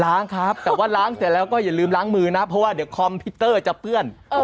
ครับแต่ว่าล้างเสร็จแล้วก็อย่าลืมล้างมือนะเพราะว่าเดี๋ยวคอมพิวเตอร์จะเปื้อน